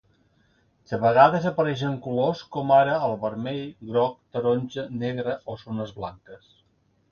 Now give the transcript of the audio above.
De vegades apareixen colors com ara el vermell, groc, taronja, negre o zones blanques.